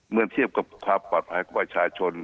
เมื่อเทียบกับความปัดให้กับประชาชน